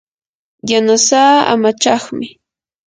yanasaa amachaqmi.